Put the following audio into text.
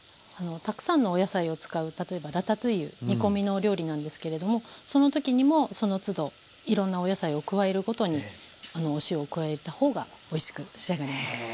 たくさんのお野菜を使う例えばラタトゥイユ煮込みのお料理なんですけれどもその時にもそのつどいろんなお野菜を加えるごとにお塩を加えた方がおいしく仕上がります。